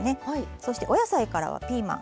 そしてお野菜からはピーマン。